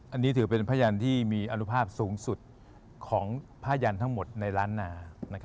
อันนี้ถือเป็นพระยันทร์ที่มีอนุภาพสูงสุดของพระยันทร์ทั้งหมดในร้านนานะครับ